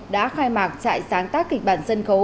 đã khai mạc trại sáng tác kịch bản sân khấu